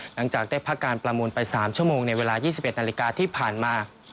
หลังจากได้พักการประมูลไป๓ชั่วโมงในเวลา๒๑นาฬิกาที่ผ่านมา